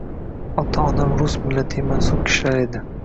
“Ota-onam rus millatiga mansub kishilar edi